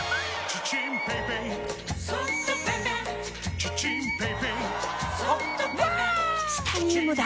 チタニウムだ！